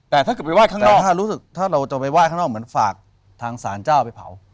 แต่ถ้ารู้สึกถ้าเราจะไปไหว้ข้างนอกเหมือนฝากทางสารเจ้าไปเผา